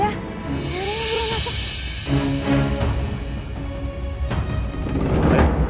ya udah udah masuk